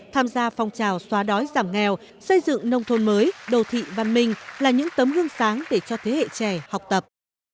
tham gia phong trào xóa đói giảm nghèo xây dựng nông thôn mới đô thị văn minh là những tấm gương sáng để cho thế hệ trẻ học tập